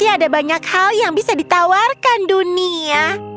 dia tidak mengerti ada banyak hal yang bisa ditawarkan dunia